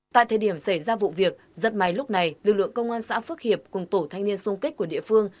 tại thời điểm xảy ra vụ việc rất may lúc này lực lượng công an xã phước hiệp cùng tổ thanh niên sung kích của địa phương